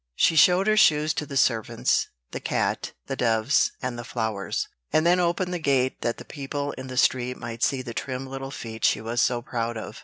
She showed her shoes to the servants, the cat, the doves, and the flowers; and then opened the gate that the people in the street might see the trim little feet she was so proud of.